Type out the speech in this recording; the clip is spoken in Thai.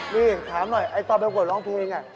นี่ถามหน่อยไอ้ตอนประกวดร้องเพลง